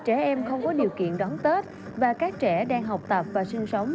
trẻ em không có điều kiện đón tết và các trẻ đang học tập và sinh sống